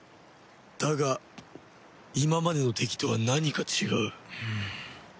だが今までの敵とは何か違う。